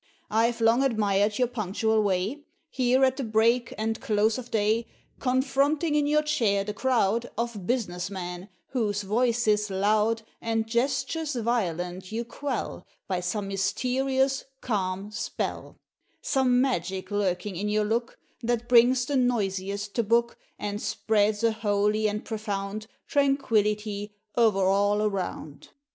I've long admired your punctual way Here at the break and close of day, Confronting in your chair the crowd Of business men, whose voices loud And gestures violent you quell By some mysterious, calm spell Some magic lurking in your look That brings the noisiest to book And spreads a holy and profound Tranquillity o'er all around.